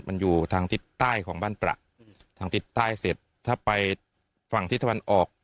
มันอยู่ทางทิศใต้ของบ้านประทางทิศใต้เสร็จถ้าไปฝั่งทิศตะวันออก